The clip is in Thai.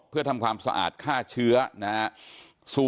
เพื่อทำความสะอาดฆ่าเชื้อนะครับ